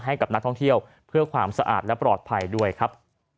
ให้กับนักท่องเที่ยวเพื่อความสะอาดและปลอดภัยด้วยครับ